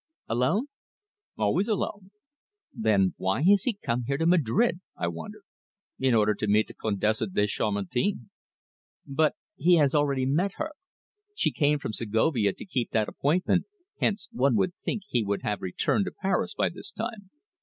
"Alone?" "Always alone." "Then why has he come here, to Madrid?" I queried. "In order to meet the Condesa de Chamartin." "But he has already met her. She came from Segovia to keep that appointment, hence one would think he would have returned to Paris by this time."